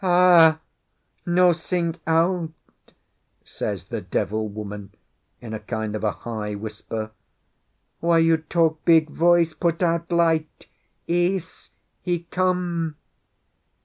"Ah! No sing out!" says the devil woman, in a kind of a high whisper. "Why you talk big voice? Put out light! Ese he come."